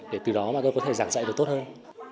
để từ đó mà tôi có thể giảng dạy được tốt hơn